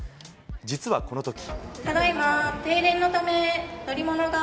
実はこのとき。